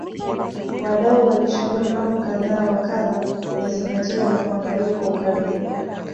Wadau walishauri mambo kadha wa kadha yazingatiwe na kuangaliwa kwa ukaribu